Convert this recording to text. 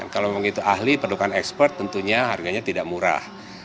kalau bilang gitu ahli perlukan expert tentunya harganya tidak murah